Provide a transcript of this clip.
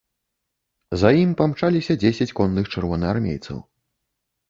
За ім памчаліся дзесяць конных чырвонаармейцаў.